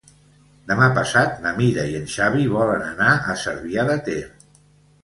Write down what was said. Demà passat na Mira i en Xavi volen anar a Cervià de Ter.